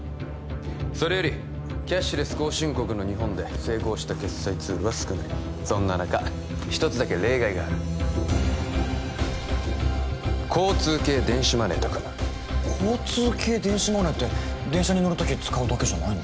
それよりキャッシュレス後進国の日本で成功した決済ツールは少ないそんな中一つだけ例外がある交通系電子マネーと組む交通系電子マネーって電車に乗る時使うだけじゃないの？